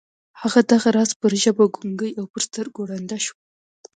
هغه دغه راز پر ژبه ګونګۍ او پر سترګو ړنده شوه